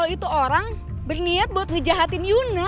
itu orang berniat buat ngejahatin yuna